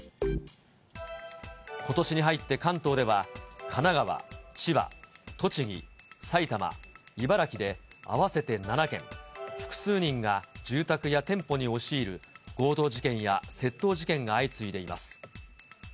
ことしに入って関東では、神奈川、千葉、栃木、埼玉、茨城で合わせて７件、複数人が住宅や店舗に押し入る強盗事件や窃盗事件が相次いでいます。